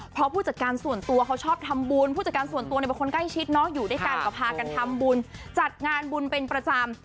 เพราะผู้จัดการส่วนตัวเขาชอบทำบุญผู้จัดการส่วนตัวเนี่ยเป็นคนใกล้ชิดเนาะอยู่ด้วยกันก็พากันทำบุญจัดงานบุญเป็นประจำ